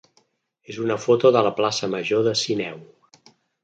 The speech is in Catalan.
és una foto de la plaça major de Sineu.